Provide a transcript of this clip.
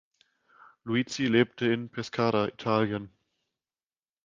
Liuzzi lebt in Pescara, Italien.